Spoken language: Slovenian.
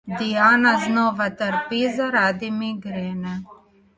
Diana znova trpi zaradi migrene.